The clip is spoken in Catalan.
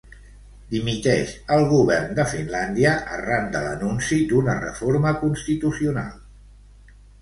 Dimiteix el govern de Finlàndia arran de l'anunci d'una reforma constitucional.